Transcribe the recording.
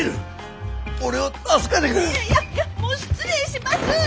もう失礼します！